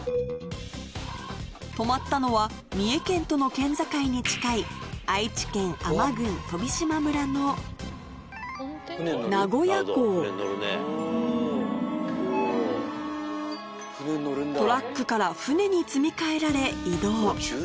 止まったのは三重県との県境に近いトラックから船に積み替えられ移動